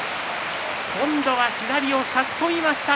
今度は左を差し込みました